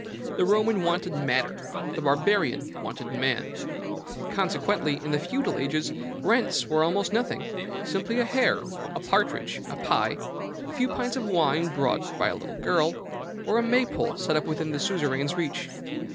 The Roman wanted matter; the Barbarian wanted man. Consequently, in the feudal ages, rents were almost nothing, simply a hare, a partridge, a pie, a few pints of wine brought by a little girl, or a Maypole set up within the suzerain's reach.